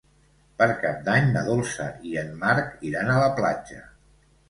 Per Cap d'Any na Dolça i en Marc iran a la platja.